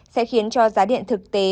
sẽ khiến cho giá điện thực tế